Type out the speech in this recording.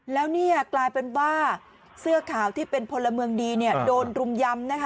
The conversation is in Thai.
แล้วนี่กลายเป็นว่าเสื้อขาวที่เป็นพลเมืองดีเนี่ย